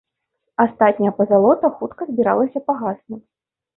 Астатняя пазалота хутка збіралася пагаснуць.